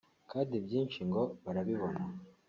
kandi ibyinshi ngo barabibona